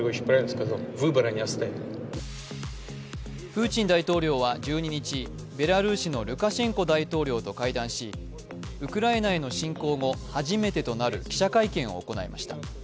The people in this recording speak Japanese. プーチン大統領は１２日ベラルーシのルカシェンコ大統領と会談しウクライナへの侵攻後初めてとなる記者会見を行いました。